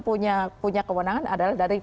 punya kewenangan adalah dari